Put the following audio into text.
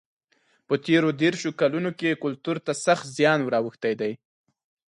په تېرو دېرشو کلونو کې کلتور ته سخت زیان ور اوښتی دی.